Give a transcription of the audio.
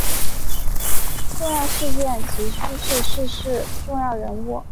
重要事件及趋势逝世重要人物